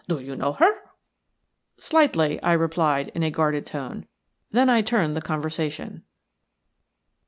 "Do you know her?" "Slightly," I replied, in a guarded tone. Then I turned the conversation.